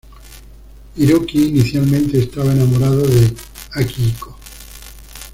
Hiroki inicialmente estaba enamorado de Akihiko.